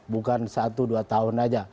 bukan satu dua tahun saja